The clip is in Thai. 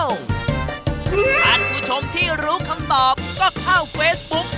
ท่านผู้ชมที่รู้คำตอบก็เข้าเฟซบุ๊ก